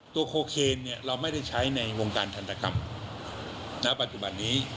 โคเคนเนี่ยเราไม่ได้ใช้ในวงการทันตกรรมณปัจจุบันนี้